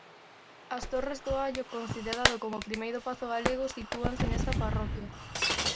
As Torres do Allo, considerado como o primeiro pazo galego, sitúanse nesta parroquia.